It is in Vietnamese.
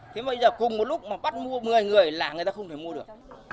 thế bây giờ cùng một lúc mà bắt mua một mươi người là người ta không thể mua được